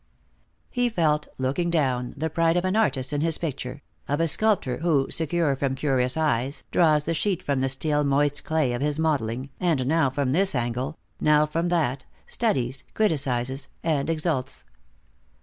He felt, looking down, the pride of an artist in his picture, of a sculptor who, secure from curious eyes, draws the sheet from the still moist clay of his modeling, and now from this angle, now from that, studies, criticizes, and exults.